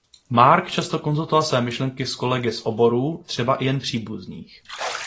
Mark často konzultoval své myšlenky s kolegy z oborů třeba i jen příbuzných.